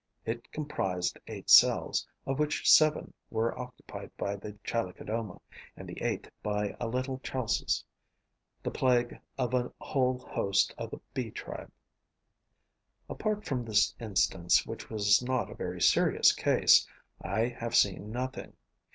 It comprised eight cells, of which seven were occupied by the Chalicodoma, and the eighth by a little Chalcis, the plague of a whole host of the Bee tribe. Apart from this instance, which was not a very serious case, I have seen nothing.